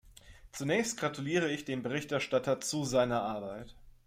Zunächst gratuliere ich dem Berichterstatter zu seiner Arbeit.